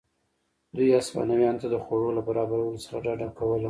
دوی هسپانویانو ته د خوړو له برابرولو څخه ډډه کوله.